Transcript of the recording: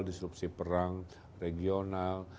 disrupsi perang regional